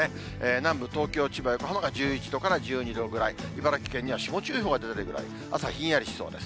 南部、東京、千葉、横浜が１１度から１２度ぐらい、茨城県には霜注意報が出るぐらい、朝は、ひんやりしそうです。